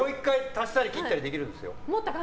足したり切ったりできますよ。